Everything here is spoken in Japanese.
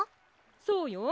そうよ。